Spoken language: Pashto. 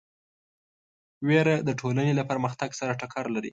وېره د ټولنې له پرمختګ سره ټکر لري.